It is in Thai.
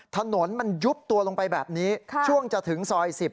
ถนนมันยุบตัวลงไปแบบนี้ช่วงจะถึงซอย๑๐